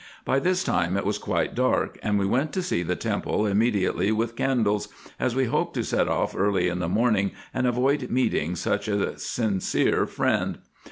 By this time it was quite dark, and we went to see the temple immediately with candles, as we hoped to set off early in the morning, and avoid meeting such a sincere friend.